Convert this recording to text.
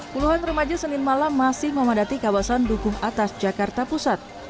puluhan remaja senin malam masih memadati kawasan dukung atas jakarta pusat